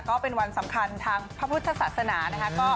ก็เป็นวันสำคัญทางพระพุทธศาสนานะคะ